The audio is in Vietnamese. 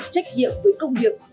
trách nhiệm với công nghiệp